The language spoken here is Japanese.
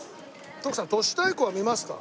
徳さん都市対抗は見ますか？